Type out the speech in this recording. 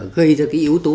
gây ra cái yếu tố